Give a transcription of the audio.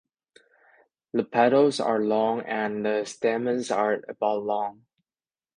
The petals are long and the stamens are about long.